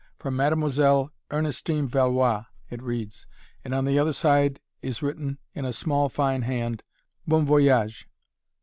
"From Mademoiselle Ernestine Valois," it reads, and on the other side is written, in a small, fine hand, "Bon voyage."